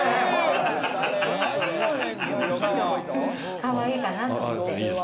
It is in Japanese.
かわいいかなって。